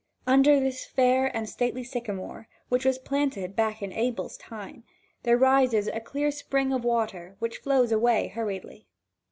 Under this fair and stately sycamore, which was planted back in Abel's time, there rises a clear spring of water which flows away hurriedly.